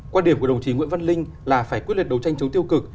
quan điểm của đồng chí nguyễn văn linh là phải quyết liệt đấu tranh chống tiêu cực